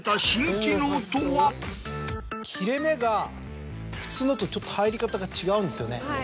切れ目が普通のとちょっと入り方が違うんですよね。